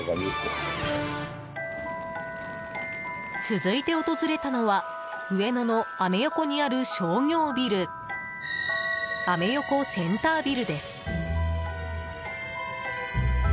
続いて訪れたのは上野のアメ横にある商業ビルアメ横センタービルです。